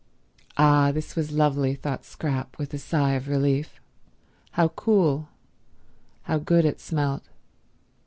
Ah, this was lovely, thought Scrap with a sigh of relief. How cool. How good it smelt.